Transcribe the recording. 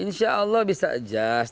insya allah bisa adjust